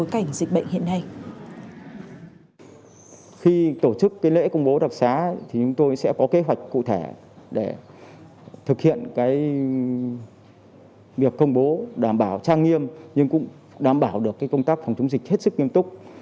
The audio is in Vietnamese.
khi tổ chức lễ công bố đặc xá thì chúng tôi sẽ có kế hoạch cụ thể để thực hiện việc công bố đảm bảo trang nghiêm nhưng cũng đảm bảo được công tác phòng chống dịch hết sức nghiêm túc